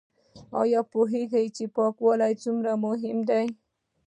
ایا پوهیږئ چې پاکوالی څومره مهم دی؟